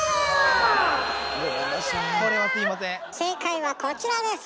正解はこちらです。